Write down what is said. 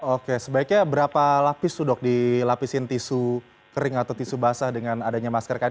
oke sebaiknya berapa lapis tuh dok dilapisin tisu kering atau tisu basah dengan adanya masker kain